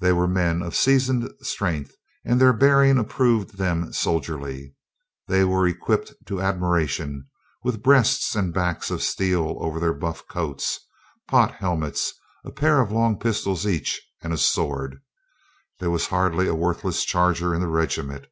They were men of seasoned strength, and their bearing approved them soldierly. They were equipped to admiration, with breasts and backs of steel over their buff coats, pot helmets, a AT WITNEY TOWN 243 pair of long pistols each and a sword. There was hardly a worthless charger in the regiment.